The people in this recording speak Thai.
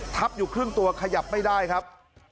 อยู่ครึ่งตัวขยับไม่ได้ครับ